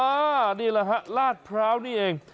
นี่แหละฮะลาดพร้าวนี่เอง